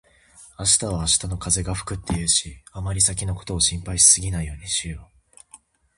「明日は明日の風が吹く」って言うし、あまり先のことを心配しすぎないようにしよう。